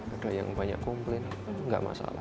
ada yang banyak komplain nggak masalah